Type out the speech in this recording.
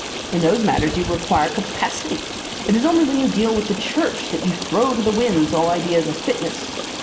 In those matters you require capacity. It is only when you deal with the Church that you throw to the winds all ideas of fitness.